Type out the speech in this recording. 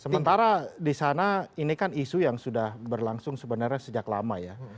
sementara di sana ini kan isu yang sudah berlangsung sebenarnya sejak lama ya